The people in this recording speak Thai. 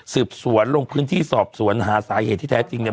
สวนลงพื้นที่สอบสวนหาสาเหตุที่แท้จริงเนี่ย